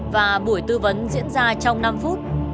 và buổi tư vấn diễn ra trong năm phút